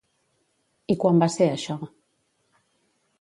I quan va ser això?